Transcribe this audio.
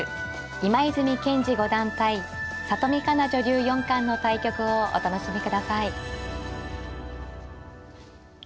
今泉健司五段対里見香奈女流四冠の対局をお楽しみください。